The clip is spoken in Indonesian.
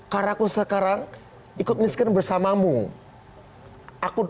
karena aku sekarang ikut miskin bersamamu